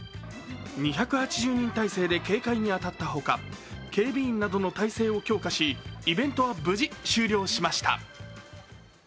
２８０人態勢で警戒に当たったほか、警備員などの態勢を強化し、イベントは無事終了しました。